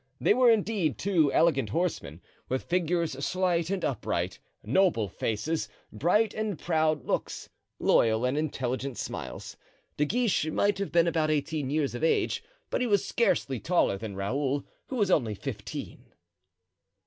They were indeed two elegant horsemen, with figures slight and upright, noble faces, bright and proud looks, loyal and intelligent smiles. De Guiche might have been about eighteen years of age, but he was scarcely taller than Raoul, who was only fifteen.